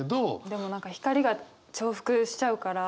でも何か光が重複しちゃうから。